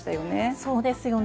そうですよね。